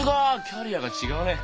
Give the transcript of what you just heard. キャリアが違うね。